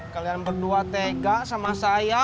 kalian berdua tega sama saya